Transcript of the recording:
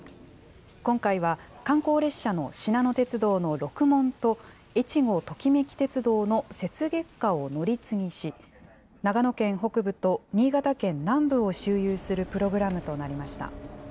今回は、観光列車のしなの鉄道のろくもんと、えちごトキめき鉄道の雪月花を乗り継ぎし、長野県北部と新潟県南部を周遊するプログラムとなりました。